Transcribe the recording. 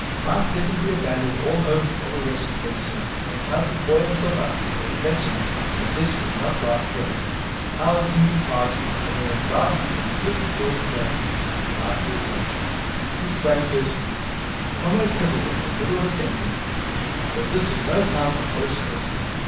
Mike definitely abandoned all hope of a rescue from Psmith, and tried to buoy himself up with the reflection that this could not last for ever. Hours seemed to pass, and then at last he heard Psmith's voice saying good bye to his host. He sprang to his feet. Comrade Prebble was in the middle of a sentence, but this was no time for polished courtesy.